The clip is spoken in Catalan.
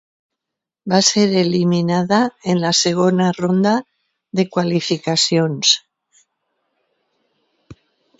Va ser eliminada en la segona ronda de qualificacions.